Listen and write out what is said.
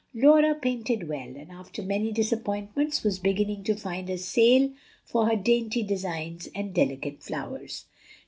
Laura painted well, and after many disappointments was beginning to find a sale for her dainty designs and delicate flowers.